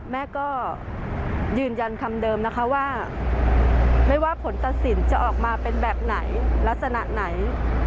แม่ก็ยืนยันคำเดิมนะคะว่าไม่ว่าผลตัดสินจะออกมาเป็นแบบไหนลักษณะไหน